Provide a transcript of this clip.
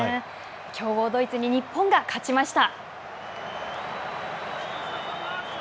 強豪ドイツに日本が勝ちました。